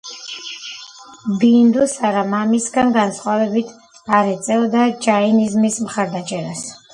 ბინდუსარა მამისგან განსხვავებით არ ეწეოდა ჯაინიზმის მხარდაჭერას.